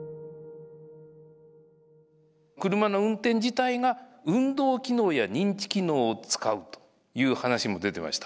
車の運転自体が運動機能や認知機能を使うという話も出てました。